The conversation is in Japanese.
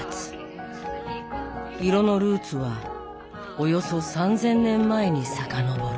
色のルーツはおよそ３，０００年前にさかのぼる。